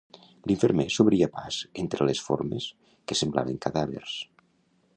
L'infermer s'obria pas entre les formes que semblaven cadàvers